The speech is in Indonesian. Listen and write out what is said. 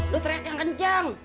lu track yang kencang